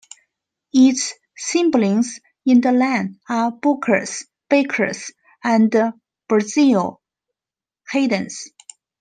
Its siblings in the line are Booker's, Baker's, and Basil Hayden's.